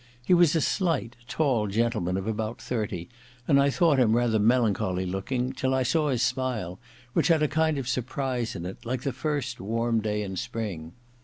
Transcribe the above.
He was a slight tall gentleman of about thirty, and I thought him rather melancholy looking till I saw his smile, which had a kind of surprise in it, like the first warm day in spring.